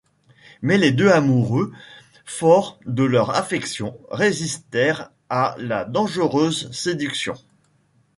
Mais les deux amoureux, forts de leur affection, résistèrent à la dangereuse séduction.